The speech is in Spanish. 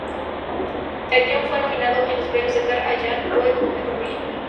El guion fue nominado en los Premios Edgar Allan Poe como Mejor Película.